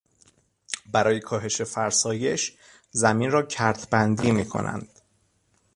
برای کاهش فرسایش، زمین را کرتبندی میکنند